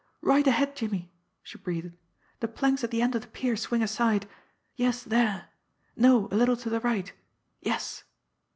"Right ahead, Jimmie!" she breathed. "The planks at the end of the pier swing aside yes, there no, a little to the right yes!"